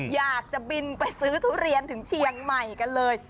อยากจะบินไปซื้อทุเรียนถึงเชียงใหม่กันเลย